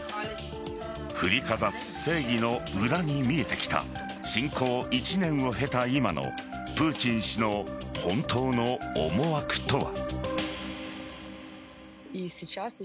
振りかざす正義の裏に見えてきた侵攻１年を経た今のプーチン氏の本当の思惑とは。